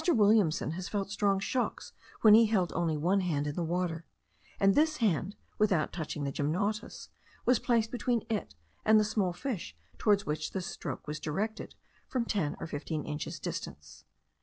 Williamson has felt strong shocks when he held only one hand in the water, and this hand, without touching the gymnotus, was placed between it and the small fish towards which the stroke was directed from ten or fifteen inches distance.